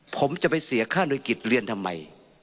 ผมจะไปเสียค่าโดยกิจเรียนทำไม